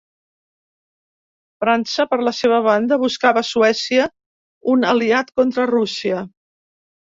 França, per la seva banda, buscava a Suècia un aliat contra Rússia.